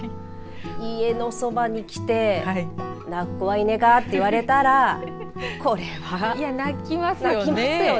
家のそばに来て泣く子はいねーかと言われたらこれは泣きますよね。